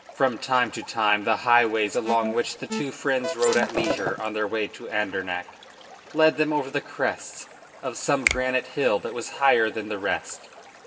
From time to time the highways along which the two friends rode at leisure on their way to Andernach, led them over the crest of some granite hill that was higher than the rest.